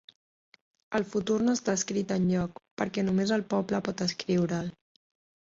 El futur no està escrit enlloc perquè només el poble pot escriure'l.